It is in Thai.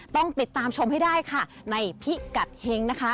ต้องติดตามชมให้ได้ค่ะในพิกัดเฮงนะคะ